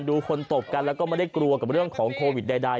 ดูคนตบกันแล้วก็ไม่ได้กลัวกับเรื่องของโควิดใด